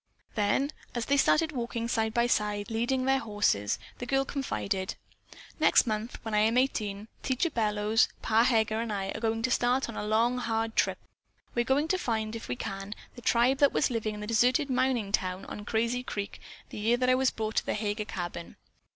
Then as they started walking side by side, leading their horses, the girl confided: "Next month, when I am eighteen, Teacher Bellows, Pa Heger and I are going to start on a long, hard trip. We're going to find, if we can, the tribe that was living in the deserted mining town on Crazy Creek the year that I was brought to the Heger cabin."